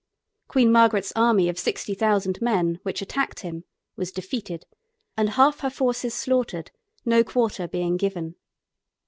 Queen Margaret's army of sixty thousand men which attacked him was defeated and half her forces slaughtered, no quarter being given.